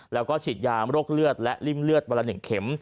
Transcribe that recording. แล้วก็ฉีดยาโรคเลือดและริ่มเลือดวันละ๑เข็ม